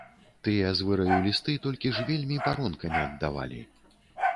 Тыя з выраю лісты толькі ж вельмі паронкамі аддавалі.